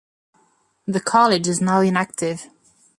The college is now inactive.